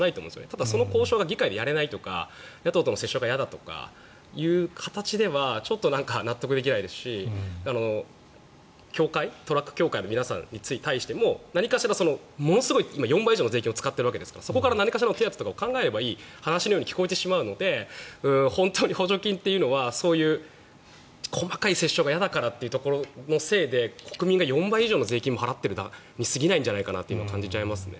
ただ、その交渉が議会でやれないとか野党との折衝が嫌だという形では納得できないですしトラック協会の皆さんに対しても何かしらものすごい４倍以上の税金を使っているわけですからそこから何かしらの手当てを考えればいいだけの話に聞こえてしまうので本当に補助金というのはそういう細かい折衝が嫌だからということのせいで国民が４倍以上の税金を払っているに過ぎないんじゃないかと感じちゃいますね。